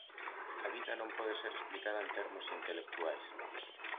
A vida non pode ser explicada en termos intelectuais.